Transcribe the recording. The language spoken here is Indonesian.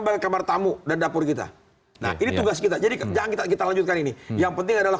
pakai kamar tamu dan dapur kita nah ini tugas kita jadi jangan kita lanjutkan ini yang penting adalah